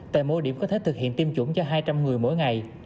tại mỗi điểm có thể thực hiện tiêm chủng cho hai trăm linh người mỗi ngày